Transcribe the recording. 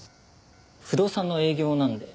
不動産の営業なので。